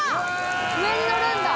上にのるんだ。